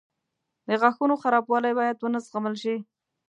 • د غاښونو خرابوالی باید ونه زغمل شي.